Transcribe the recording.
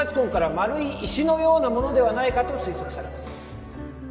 丸い石のようなものではないかと推測されます